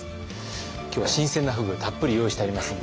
今日は新鮮なふぐたっぷり用意してありますんで。